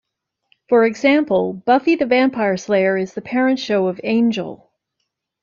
For example, "Buffy the Vampire Slayer" is the parent show of "Angel".